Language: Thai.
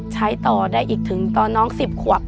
ใช้ต่อได้อีกถึงตอนน้อง๑๐ขวบ